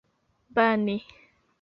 bani